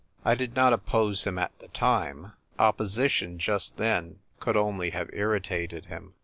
I did not oppose him at the time ; opposition just then could only have irritated him.